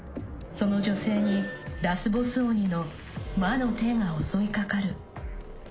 その女性に、ラスボス鬼の魔の手が襲いかかる。